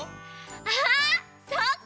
あそうか！